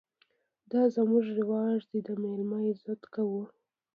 _دا زموږ رواج دی، د مېلمه عزت کوو.